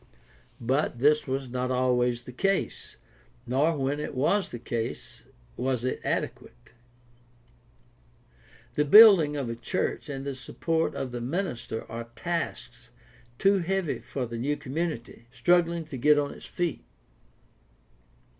But this was not always the case, nor when it was the case was it adequate. The building of a church and the support of the minister are tasks too heavy for the new community, struggling to get on its feet.